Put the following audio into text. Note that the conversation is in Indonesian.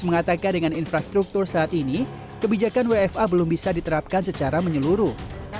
mengatakan dengan infrastruktur saat ini kebijakan wfa belum bisa diterapkan secara menyeluruh